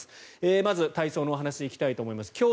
まず、体操のお話に行きたいと思います。